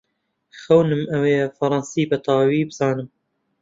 خەونم ئەوەیە فەڕەنسی بەتەواوی بزانم.